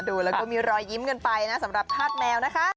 ดูแล้วก็มีรอยยิ้มกันไปนะสำหรับธาตุแมวนะคะ